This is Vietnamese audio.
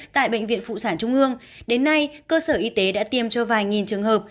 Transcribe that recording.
tại bệnh viện phụ sản trung ương đến nay cơ sở y tế đã tiêm cho vài nghìn trường hợp